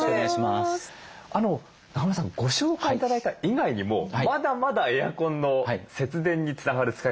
中村さんご紹介頂いた以外にもまだまだエアコンの節電につながる使い方というのがあるんですよね？